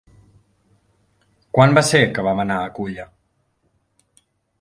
Quan va ser que vam anar a Culla?